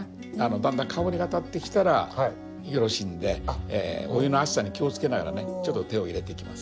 だんだん香りがたってきたらよろしいんでお湯の熱さに気をつけながらね手を入れていきます。